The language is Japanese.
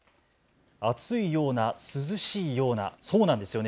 暑いような、涼しいようなそうなんですよね。